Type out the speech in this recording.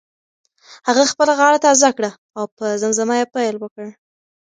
هغه خپله غاړه تازه کړه او په زمزمه یې پیل وکړ.